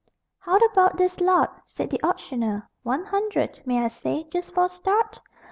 How about this lot? said the auctioneer; _One hundred, may I say, just for a start?